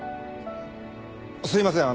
すいません